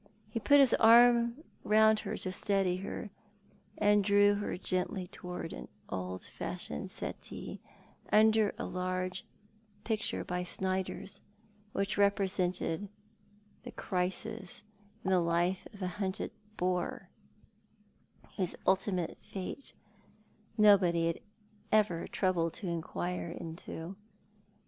He put his arm round her to steady her, and drew her gently towards an old fashioned settee, under a large picture by Snyders, which represented the crisis in the 158 Thou art the Man. life of a liuntecl boar, whose nltimate fate nobody had ever troubled to inquire into.